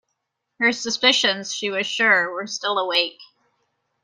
Her suspicions, she was sure, were still awake.